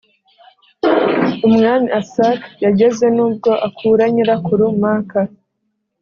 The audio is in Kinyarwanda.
Umwami asak yageze n ubwo akura nyirakuru maka